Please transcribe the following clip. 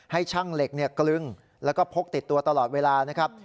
ให้ช่างเหล็กกลึงแล้วก็พกติดตัวตลอดเวลานะครับ